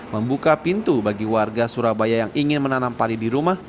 membuka pintu bagi warga surabaya yang ingin menanam padi di rumah